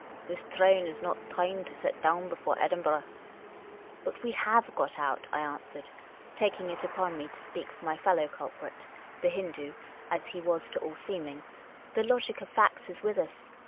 " This train is not timed to set down before Edin burgh." " We have got out," I answered, taking it upon me to speak for my fellow culprit, the Hindoo — as he was to all seeming. " The logic of facts is with us.